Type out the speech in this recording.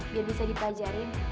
biar bisa dipelajarin